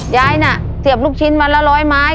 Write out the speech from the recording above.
ยายน่ะเสียบลูกชิ้นวันละ๑๐๐ไม้